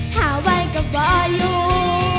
ถ้าไว้ก็บ่อยู